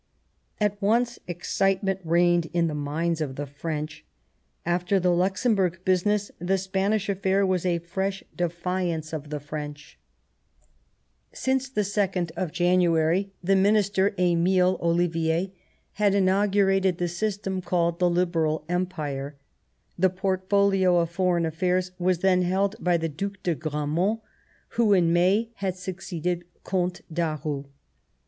At once excitement reigned in the minds of the French ; after the Luxemburg business, the Spanish affair was a fresh defiance of the French. 121 Bismarck Since the 2nd of January, the Minister, Emile OUivier, had inaugurated the system called the Liberal Empire ; the portfolio of Foreign Affairs was then held by the Due de Gramont, who, in May, had succeeded Comte Daru.